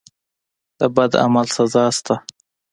د بد عمل سزا شته.